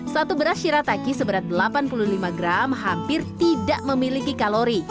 satu beras shirataki seberat delapan puluh lima gram hampir tidak memiliki kalori